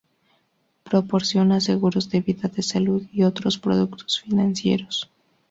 Proporciona seguros de vida, de salud, y otros productos financieros.